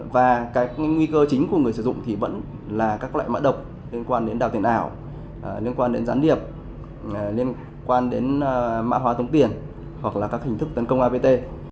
và cái nguy cơ chính của người sử dụng thì vẫn là các loại mã độc liên quan đến đào tiền ảo liên quan đến gián điệp liên quan đến mã hóa tống tiền hoặc là các hình thức tấn công apt